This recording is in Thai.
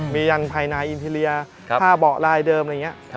มียังภายในอินทิเรียผ้าเบาะลายเดิมอะไรอย่างนี้